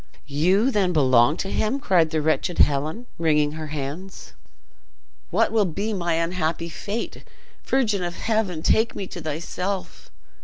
"You then belong to him?" cried the wretched Helen, wringing her hands. "What will be my unhappy fate! Virgin of heaven, take me to thyself!"